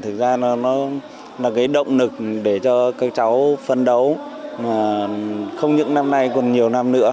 thực ra nó là cái động lực để cho các cháu phấn đấu không những năm nay còn nhiều năm nữa